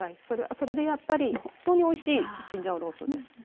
それはそれでやっぱり本当においしいチンジャオロースーです。